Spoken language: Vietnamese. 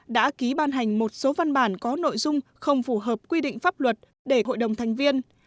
đã ký ban hành một số văn bản có nội dung không phù hợp quy định pháp luật để hội đồng thành viên